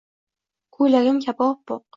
Ko’ylagim kabi oppoq…